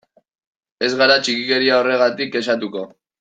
Ez gara txikikeria horregatik kexatuko.